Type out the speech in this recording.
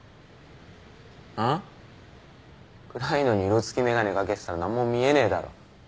あ？暗いのに色つき眼鏡掛けてたら何も見えねえだろ。